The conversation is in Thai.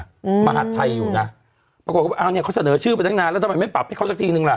อืมมหาดไทยอยู่น่ะปรากฏว่าอ้าวเนี้ยเขาเสนอชื่อไปตั้งนานแล้วทำไมไม่ปรับให้เขาสักทีนึงล่ะ